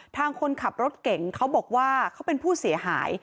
คนขับรถเก่งเขาบอกว่าเขาเป็นผู้เสียหาย